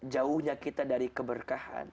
jauhnya kita dari keberkahan